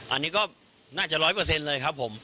อันนี้ก็น่าจะ๑๐๐เลยครับผม